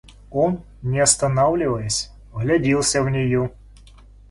Он, не останавливаясь, вгляделся в нее.